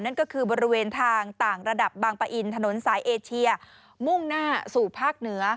นั่นก็คือบริเวณทางต่างระดับบางปะอินถนนสายเอเชียมุ่งหน้าสู่ภาคเหนือ